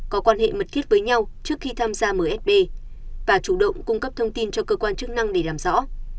có quan hệ mật thiết với nhau trước khi tham gia msb và chủ động cung cấp thông tin cho cơ quan chức năng để làm rõ